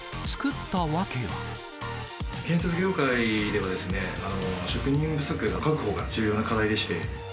建設業界では、職人不足、確保が重要な課題でして。